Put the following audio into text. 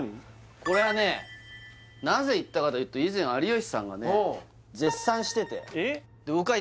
これはねなぜ行ったかというと以前有吉さんがね絶賛しててえっ？